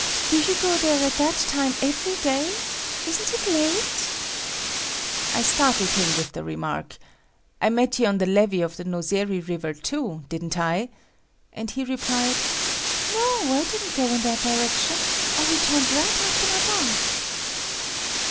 Do you go there at that time every day? Isn't it late?" I startled him with the remark; "I met you on the levy of the Nozeri river too, didn't I?" and he replied, "No, I didn't go in that direction. I returned right after my bath."